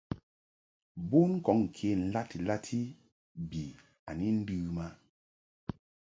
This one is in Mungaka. Bon kɔŋ kə ndati lati mbi a ni ləm a.